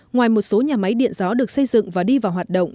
ngoài một số nhà máy điện gió được xây dựng và đi vào hoạt động